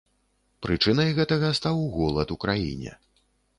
Прычынай гэтага стаў голад у краіне.